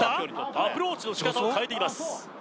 アプローチのしかたを変えています